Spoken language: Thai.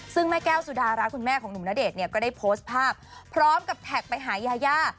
ซึ่งแม่แก้วสุดารักคุณแม่ของหนุ่มณเดชน์เนี่ยก็ได้โพสต์ภาพพร้อมกับแท็กไปหายายา